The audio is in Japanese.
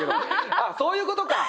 ああそういうことか。